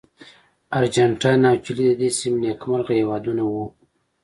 ارجنټاین او چیلي د دې سیمې نېکمرغه هېوادونه وو.